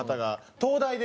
東大で？